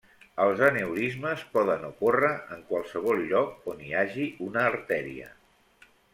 Els aneurismes poden ocórrer en qualsevol lloc on hi hagi una artèria.